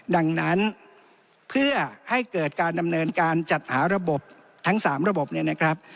ดังนั้นเพื่อให้เกิดการดำเนินการจัดหาระบบทั้งสามระบบ